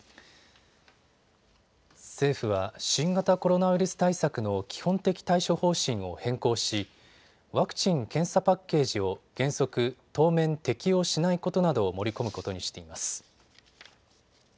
政府は新型コロナウイルス対策の基本的対処方針を変更しワクチン・検査パッケージを原則、当面適用しないことなどを盛り込むことにしています。